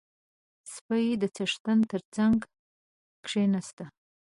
• سپی د څښتن تر څنګ کښېناست.